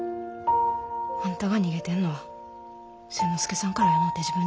あんたが逃げてんのは千之助さんからやのうて自分自身からや。